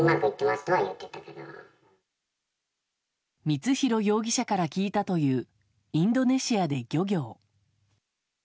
光弘容疑者から聞いたというインドネシアで漁業。